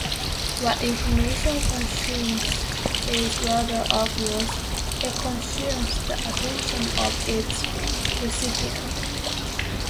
What information consumes is rather obvious: it consumes the attention of its recipients.